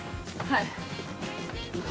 はい。